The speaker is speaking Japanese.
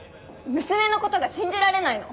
娘の事が信じられないの？